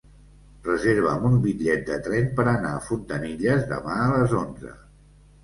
Reserva'm un bitllet de tren per anar a Fontanilles demà a les onze.